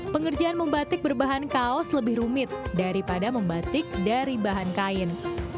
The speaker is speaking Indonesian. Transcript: pengerjaan membatik berbahan kaos lebih rumit daripada membatik dari bahan kain